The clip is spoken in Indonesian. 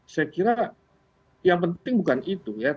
saya kira yang penting bukan itu ya